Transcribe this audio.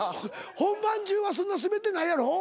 本番中はそんなスベってないやろ？